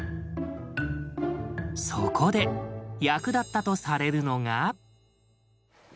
そこで役立ったとされるのが。